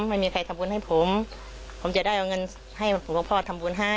ไม่มีใครทำบุญให้ผมผมจะได้เอาเงินให้ผมกับพ่อทำบุญให้